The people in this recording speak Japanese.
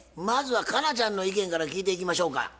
まずは佳奈ちゃんの意見から聞いていきましょうか。